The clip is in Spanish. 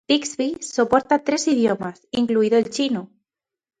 Bixby soporta tres idiomas, incluido el chino.